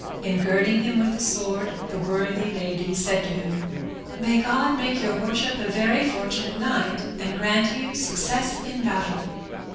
On girding him with the sword the worthy lady said to him, "May God make your worship a very fortunate knight, and grant you success in battle."